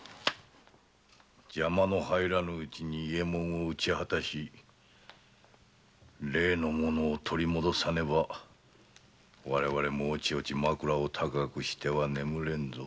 邪魔の入らぬうちに伊右衛門を討ち果たし例の物を取り戻さねば我々も枕を高くしては眠れんぞ。